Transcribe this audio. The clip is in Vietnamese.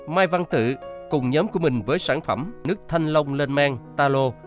mai văn tự cùng nhóm của mình với sản phẩm nước thanh long lên men talo